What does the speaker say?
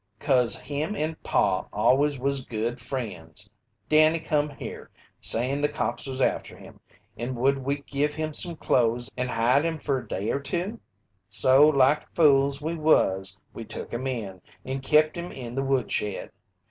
"'Cause him and Paw always was good friends! Danny come here, saying the cops was after him and would we give him some clothes and hide him fer a day or two? So like fools we was, we took him in and kept him in the woodshed.